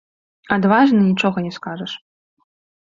Адважна, нічога не скажаш.